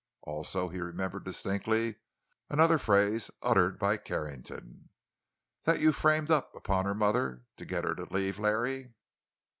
Also, he remembered distinctly another phrase, uttered by Carrington: "That you framed up on her mother, to get her to leave Larry."